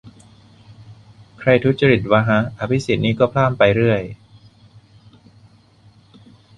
ใครทุจริตวะฮะ อภิสิทธิ์นี่ก็พล่ามไปเรื่อย